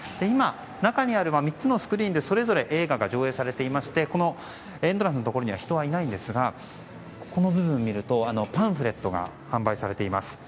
今、中にある３つのスクリーンでそれぞれ映画が上映されていましてエントランスのところには人はいないんですがこの部分を見るとパンフレットが販売されています。